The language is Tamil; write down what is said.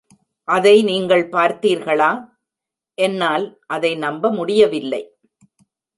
அதை நீங்கள் பார்த்தீர்களா? என்னால் அதை நம்ப முடியவில்லை!